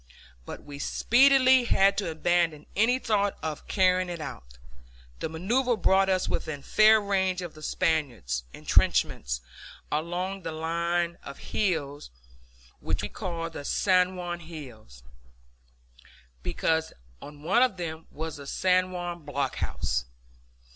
But we speedily had to abandon any thought of carrying it out. The maneuver brought us within fair range of the Spanish intrenchments along the line of hills which we called the San Juan Hills, because on one of them was the San Juan blockhouse.